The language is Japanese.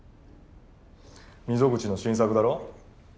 溝口の新作だろ？